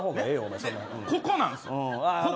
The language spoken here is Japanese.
ここなんですよ。